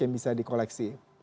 yang bisa di koleksi